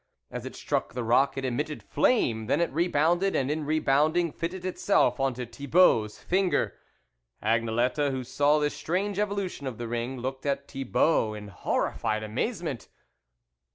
As it struck the rock, it emitted flame ; then it rebounded, and in rebounding, fitted itself on to Thi bault's finger. Agnelette who saw this strange evolution of the ring, looked at Thibault in horrified amazement.